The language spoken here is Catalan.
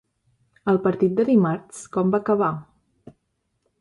El partit de dimarts com va acabar?